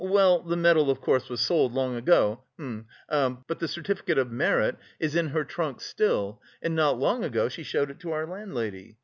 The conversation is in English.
well, the medal of course was sold long ago, hm... but the certificate of merit is in her trunk still and not long ago she showed it to our landlady.